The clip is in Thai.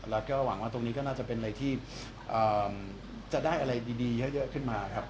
แล้วก็หวังว่าตรงนี้ก็น่าจะเป็นอะไรที่จะได้อะไรดีเยอะขึ้นมาครับ